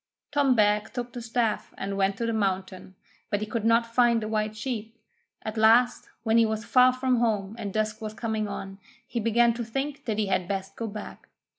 Tom Beg took the staff and went to the mountain, but he could not find the white sheep. At last, when he was far from home and dusk was coming on, he began to think that he had best go back.